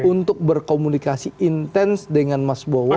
untuk berkomunikasi intens dengan mas bowo